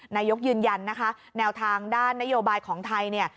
นายกยืนยันนะคะแนวทางด้านนโยบายของไทยเนี่ย